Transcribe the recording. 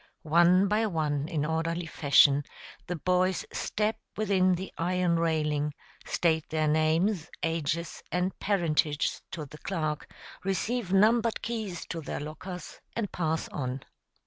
] One by one, in orderly fashion, the boys step within the iron railing, state their names, ages, and parentage to the clerk, receive numbered keys to their lockers, and pass on.